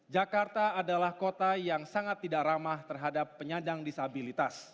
jakarta adalah kota yang sangat tidak ramah terhadap penyandang disabilitas